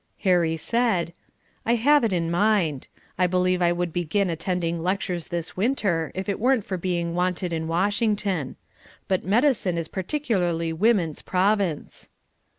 Harry said, "I have it in mind. I believe I would begin attending lectures this winter if it weren't for being wanted in Washington. But medicine is particularly women's province."